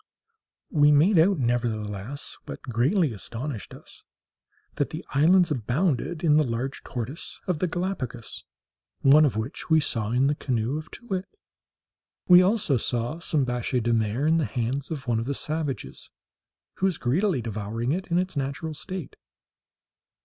We made out, nevertheless, what greatly astonished us, that the islands abounded in the large tortoise of the Gallipagos, one of which we saw in the canoe of Too wit. We saw also some biche de mer in the hands of one of the savages, who was greedily devouring it in its natural state.